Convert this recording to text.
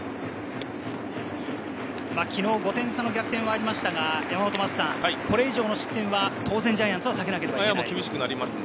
昨日５点差の逆転もありましたが、これ以上の失点は当然、ジャイアンツは避けなければならない。